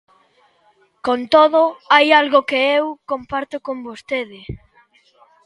Con todo, hai algo que eu comparto con vostede.